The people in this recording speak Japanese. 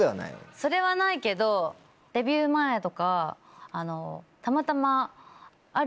それはないけどデビュー前とかたまたまある。